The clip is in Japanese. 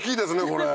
これ。